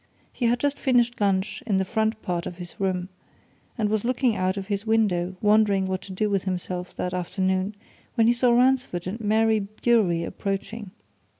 He had just finished lunch in the front part of his room, and was looking out of his window, wondering what to do with himself that afternoon, when he saw Ransford and Mary Bewery approaching.